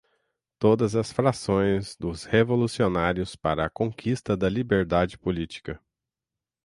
todas as frações dos revolucionários para a conquista da liberdade política